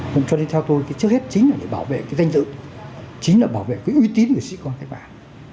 cũng cho đến theo tôi trước hết chính là để bảo vệ cái danh dự chính là bảo vệ cái uy tín người sĩ quan các bạn